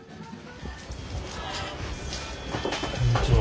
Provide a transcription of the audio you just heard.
こんにちは。